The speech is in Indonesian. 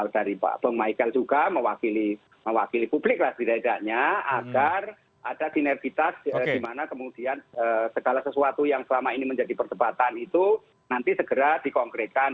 dari pak michael juga mewakili publik lah setidaknya agar ada sinergitas di mana kemudian segala sesuatu yang selama ini menjadi perdebatan itu nanti segera dikonkretkan